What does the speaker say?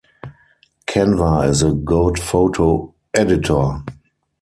Canva is a good photo editor.